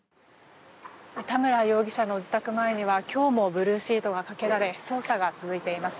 田村容疑者の自宅前には今日もブルーシートがかけられ捜査が続いています。